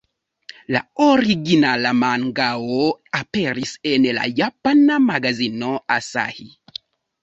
La originala mangao aperis en la japana magazino Asahi.